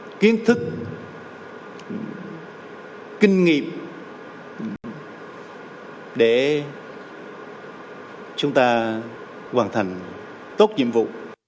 các kiến thức kinh nghiệm để chúng ta hoàn thành tốt nhiệm vụ